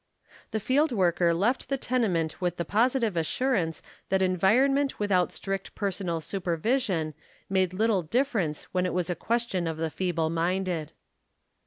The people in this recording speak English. The field worker left the tenement with the positive assurance that environment without strict personal supervision made little difference when it was a ques tion of the feeble minded.